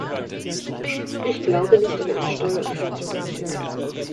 Ich glaube nicht an eine Steuer- und Finanzpolitik.